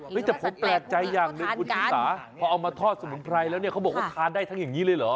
แต่ผมแปลกใจอย่างหนึ่งคุณชิสาพอเอามาทอดสมุนไพรแล้วเนี่ยเขาบอกว่าทานได้ทั้งอย่างนี้เลยเหรอ